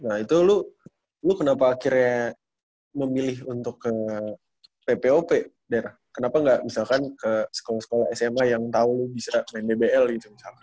nah itu lu lo kenapa akhirnya memilih untuk ke ppop daerah kenapa nggak misalkan ke sekolah sekolah sma yang tahu lu bisa main dbl gitu misalkan